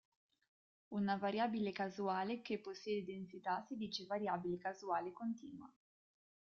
Una variabile casuale che possiede densità si dice "variabile casuale continua".